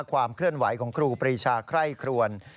ความเคลื่อนไหวของครูปรีชาไคร่ครวน